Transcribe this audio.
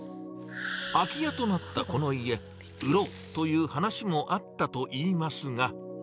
空き家となったこの家、売ろうという話もあったといいますが。